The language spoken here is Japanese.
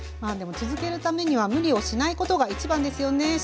でも続けるためには無理をしないことが一番ですよね